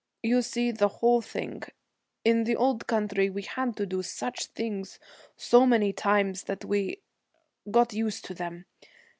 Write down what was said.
'You see the whole thing. In the old country we had to do such things so many times that we got used to them.